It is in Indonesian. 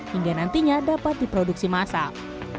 hingga nantinya dapat diproduksi masal